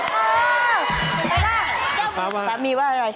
เจ้ามือสามีว่าอะไร